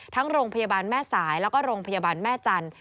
ทั้งโรงพยาบาลแม่สายแล้วก็โรงพยาบาลแม่จันทร์